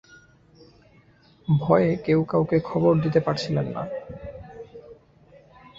ভয়ে কেউ কাউকে খবর দিতে পারছিলেন না।